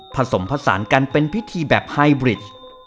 ผสมผสานกันเป็นพิธีแบบไฮบริด